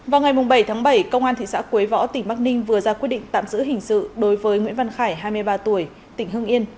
vào ngày bảy tháng bảy công an thị xã quế võ tỉnh bắc ninh vừa ra quyết định tạm giữ hình sự đối với nguyễn văn khải hai mươi ba tuổi tỉnh hưng yên